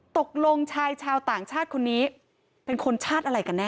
ตกลงชายชาวต่างชาติคนนี้เป็นคนชาติอะไรกันแน่